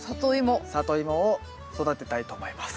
サトイモを育てたいと思います。